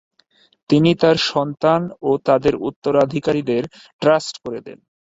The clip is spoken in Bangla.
তিনি তার সন্তান ও তাদের উত্তরাধিকারীদের ট্রাস্ট করে দেন।